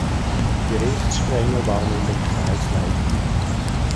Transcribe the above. Gerichtssprengel war nun der Kreis Leipzig.